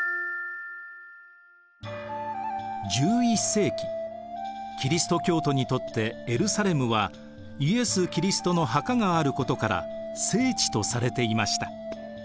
１１世紀キリスト教徒にとってエルサレムはイエス・キリストの墓があることから聖地とされていました。